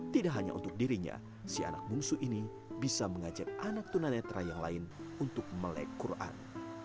tidak hanya untuk dirinya si anak bungsu ini bisa mengajak anak tunanetra yang lain untuk melek quran